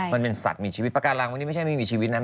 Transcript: มันเป็นสัตว์มีชีวิตปากการังวันนี้ไม่ใช่ไม่มีชีวิตนะ